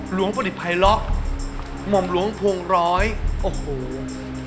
หลวงประดิษฐ์ไพร็อล์หม่อมหลวงพวงร้อยโอ้โห